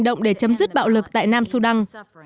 nó không đủ để chấm dứt bạo lực tại nam sudan